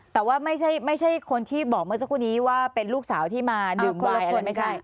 แต่ว่าไม่ใช่คนที่บอกเมื่อสักครู่นี้ว่าเป็นลูกสาวที่มาดื่มวายคนไม่ใช่